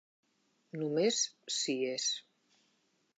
Només s'hi és.